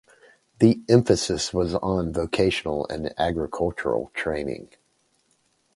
The emphasis was on vocational and agricultural training.